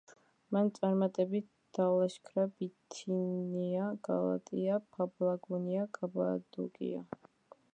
მან წარმატებით დალაშქრა ბითინია, გალატია, პაფლაგონია და კაპადოკია.